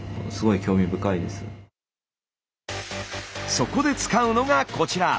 そこで使うのがこちら。